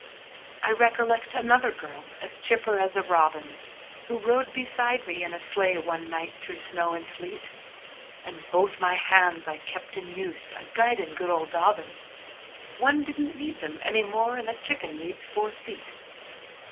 I recollect another girl, as chipper as a robin, Who rode beside me in a sleigh one night through snow an' sleet, An' both my hands I kept in use a guidin' good ol' Dobbin One didn't need them any mor'n a chicken needs four feet.